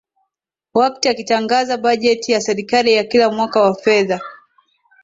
wakti akitangaza bajeti ya serikali ya kila mwaka wa fedha